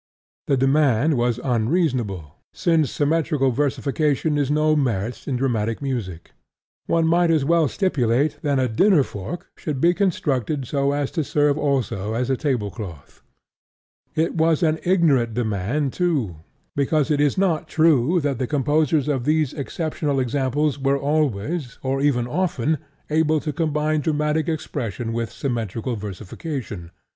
The demand was unreasonable, since symmetrical versification is no merit in dramatic music: one might as well stipulate that a dinner fork should be constructed so as to serve also as a tablecloth. It was an ignorant demand too, because it is not true that the composers of these exceptional examples were always, or even often, able to combine dramatic expression with symmetrical versification.